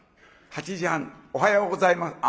８時半「おはようございます」。